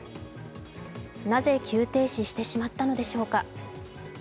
なぜ、急停止してしまったのでしょうか。